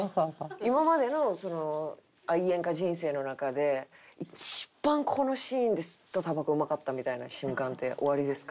今までの愛煙家人生の中で一番このシーンで吸ったタバコうまかったみたいな瞬間っておありですか？